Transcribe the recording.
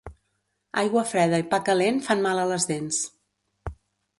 Aigua freda i pa calent fan mal a les dents.